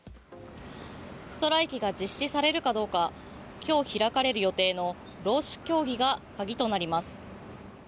ストライキが実施されるかどうか今日開かれる予定の労使協議が鍵となります。